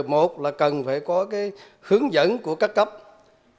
một là cần phải có hướng dẫn của các cá nhân